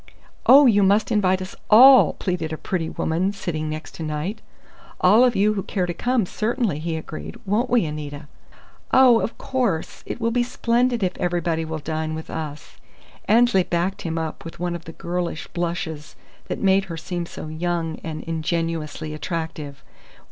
"Oh, you must invite us all!" pleaded a pretty woman sitting next to Knight. "All of you who care to come, certainly," he agreed. "Won't we, Anita?" "Oh, of course. It will be splendid if everybody will dine with us!" Annesley backed him up with one of the girlish blushes that made her seem so young and ingenuously attractive.